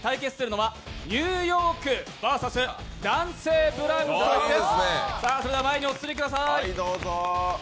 対決するのはニューヨークｖｓ男性ブランコです。